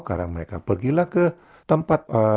karena mereka pergilah ke tempat